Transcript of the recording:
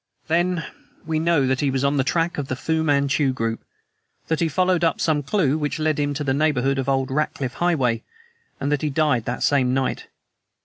"Then, we know that he was on the track of the Fu Manchu group, that he followed up some clew which led him to the neighborhood of old Ratcliff Highway, and that he died the same night.